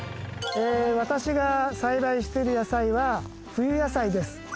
私が栽培している野菜は冬野菜です